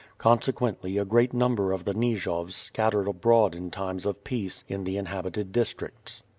Consequently a great number of the Nijovs scattered abroad in times of peace in the inhabited districts.